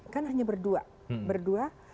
kan hanya berdua